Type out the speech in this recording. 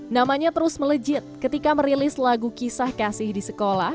namanya terus melejit ketika merilis lagu kisah kasih di sekolah